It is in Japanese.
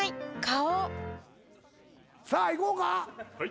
花王さあいこうか。